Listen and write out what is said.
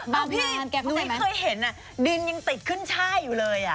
บางงานแกเข้าใจไหมนุ้ยเคยเห็นอะดินยังติดขึ้นช่ายอยู่เลยอะ